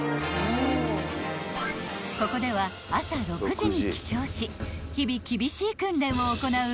［ここでは朝６時に起床し日々厳しい訓練を行う］